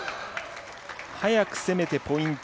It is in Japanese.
早く攻めて、ポイント。